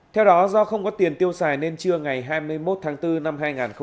theo đó do không có tiền tiêu xài nên trưa ngày hai mươi một tháng bốn năm hai nghìn hai mươi